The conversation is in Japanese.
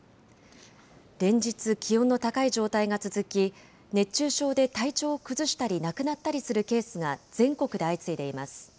連日、気温の高い状態が続き、熱中症で体調を崩したり、亡くなったりするケースが全国で相次いでいます。